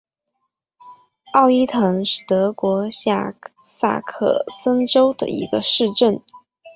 奥伊滕是德国下萨克森州的一个市镇。